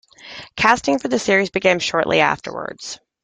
Casting for the series began shortly afterwards.